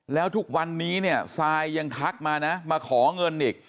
แล้วทุกวันนี้เนี่ยซายยังทักมานะมาขอเงินอีก